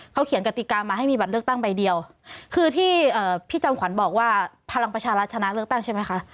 เขาเขียนกติกามาให้มีบัตรเลือกตั้งใบเดียวคือที่พี่จอมขวัญบอกว่าพลังประชารัฐชนะเลือกตั้งใช่ไหมคะ